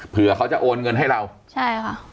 เผื่อเขาจะโอนเงินให้เราใช่ค่ะ